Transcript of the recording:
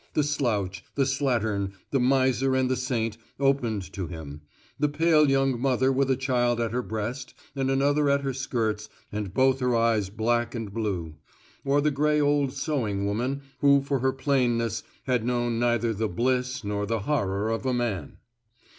The slouch, the slattern, the miser and the saint opened to him; the pale young mother with a child at her breast and another at her skirts and both her eyes black and blue; or the gray old sewing woman who for her plainness had known neither the bliss nor the horror of a man.